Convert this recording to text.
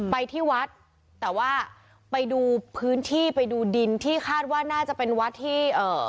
ไปที่วัดแต่ว่าไปดูพื้นที่ไปดูดินที่คาดว่าน่าจะเป็นวัดที่เอ่อ